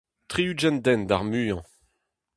Tri-ugent den d'ar muiañ.